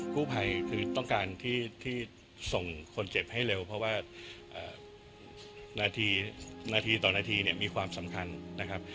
กู้ภัยคือต้องการที่ส่งคนเจ็บให้เร็วเพราะว่านาทีนาทีต่อนาทีเนี่ยมีความสำคัญนะครับ